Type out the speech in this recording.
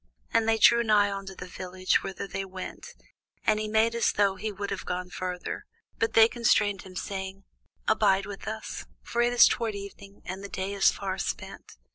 And they drew nigh unto the village, whither they went: and he made as though he would have gone further. But they constrained him, saying, Abide with us: for it is toward evening, and the day is far spent.